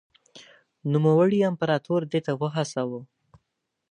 نوموړي امپراتور دې ته وهڅاوه.